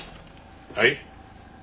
はい？